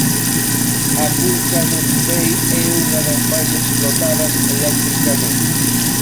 A cunca do Bibei é unha das máis explotadas electricamente.